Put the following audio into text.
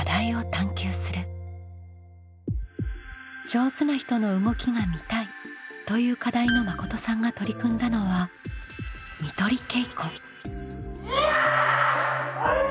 「上手な人の動きが見たい」という課題のまことさんが取り組んだのはやっ！